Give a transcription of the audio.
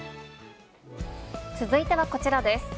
続いてはこちらです。